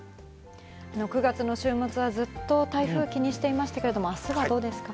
９月の週末は、ずっと台風、気にしていましたけれども、あすはどうですか。